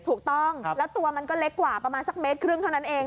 ถูกต้องแล้วตัวมันก็เล็กกว่าประมาณสักเมตรครึ่งเท่านั้นเอง